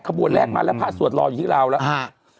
ขบวนแรกมาแล้วพระสวดรออยู่ที่ลาวแล้ว